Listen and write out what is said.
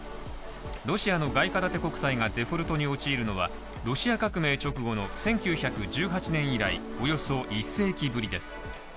ロシアの外貨建て国債がデフォルトに陥るのはロシア革命直後の１９１８年以来およそ１世紀ぶりです。